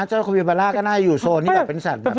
เจ้าโควิบาล่าก็น่าอยู่โซนที่แบบเป็นสัตว์แบบนี้